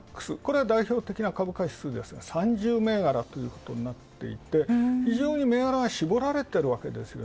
これは代表的な株価指数が３０銘柄ということになっていて非常に銘柄が絞られていると。